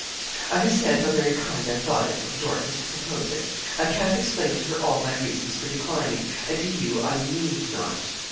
'I have said how very kind I thought it of Dorcas to propose it. I can't explain to her all my reasons for declining; and to you I need not.